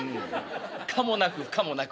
可もなく不可もなく」。